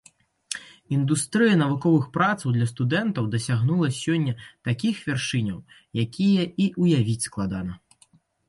Індустрыя навуковых працаў для студэнтаў дасягнула сёння такіх вяршыняў, якія і ўявіць складана.